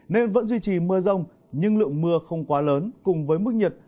nên vẫn duy trì mưa rông nhưng lượng mưa không quá lớn cùng với mức nhiệt